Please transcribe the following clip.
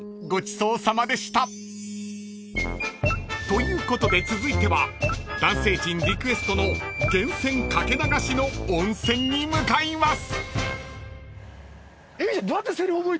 ［ということで続いては男性陣リクエストの源泉掛け流しの温泉に向かいます］